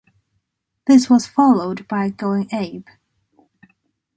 This was followed by Goin' Ape!